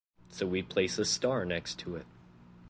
So we place a star next to it.